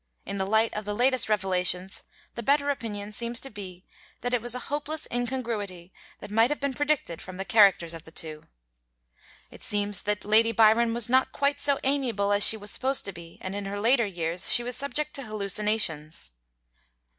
In the light of the latest revelations, the better opinion seems to be that it was a hopeless incongruity that might have been predicted from the characters of the two. It seems that Lady Byron was not quite so amiable as she was supposed to be, and in her later years she was subject to hallucinations.